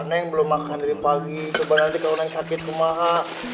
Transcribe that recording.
neng belum makan dari pagi coba nanti kalau neng sakit kemahak